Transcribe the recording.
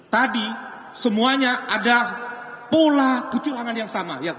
tadi semuanya ada pola kecurangan yang sama